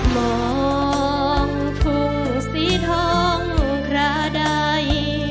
มองผงสีท้องขระใด